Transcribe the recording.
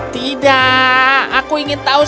tidak aku ingin tahu